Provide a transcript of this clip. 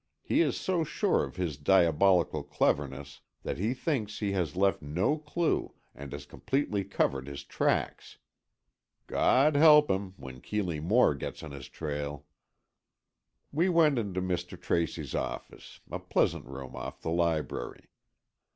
He is so sure of his diabolical cleverness, that he thinks he has left no clue and has completely covered his tracks! God help him, when Keeley Moore gets on his trail! We went into Mr. Tracy's office, a pleasant room off the library.